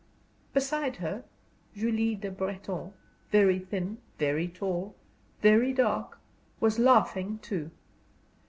Beside her, Julie Le Breton, very thin, very tall, very dark, was laughing too.